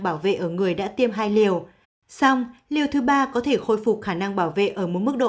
bảo vệ ở người đã tiêm hai liều xong liều thứ ba có thể khôi phục khả năng bảo vệ ở một mức độ